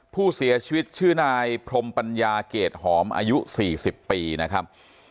ผู้เสียชีวิตชื่อนายพรมปัญญาเกรดหอมอายุ๔๐ปีนะครับ